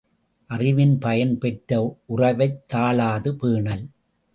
அறிவின் பயன், பெற்ற உறவைத் தாழாது பேணல்.